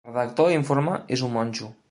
El redactor de l'informe és un monjo.